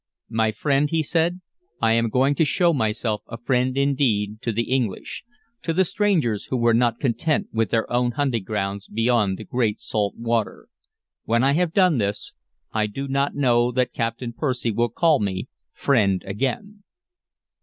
"My friend," he said, "I am going to show myself a friend indeed to the English, to the strangers who were not content with their own hunting grounds beyond the great salt water. When I have done this, I do not know that Captain Percy will call me 'friend' again."